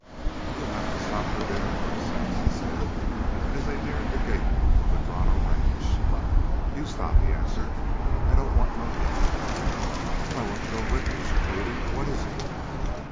"You'll have to stop for dinner first," Saxon said, as they neared the gate of Madrono Ranch. "You stop," he answered. "I don't want no dinner." "But I want to go with you," she pleaded. "What is it?"